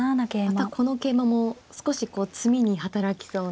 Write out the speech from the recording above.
またこの桂馬も少し詰みに働きそうな。